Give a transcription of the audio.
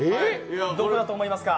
どこだと思いますか？